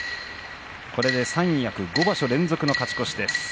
これで三役５場所連続の勝ち越しです。